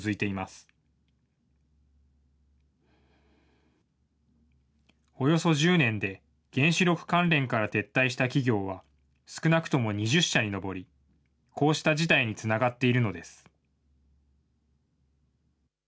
およそ１０年で原子力関連から撤退した企業は、少なくとも２０社に上り、こうした事態につながっているのです。